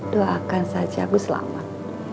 doakan saja aku selamat